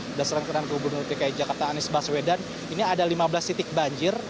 berdasarkan keterangan gubernur dki jakarta anies baswedan ini ada lima belas titik banjir